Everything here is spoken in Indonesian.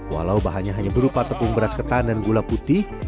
walau bahannya hanya berupa tepung beras ketan dan gula putih